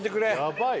やばい！